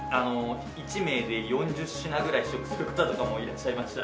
１名で４０品ぐらい試食する方とかもいらっしゃいました。